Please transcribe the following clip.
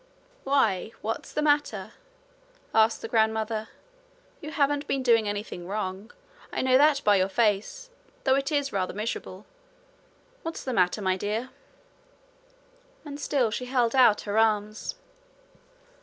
'Why, what's the matter?' asked her grandmother. 'You haven't been doing anything wrong I know that by your face, though it is rather miserable. What's the matter, my dear?' And she still held out her arms.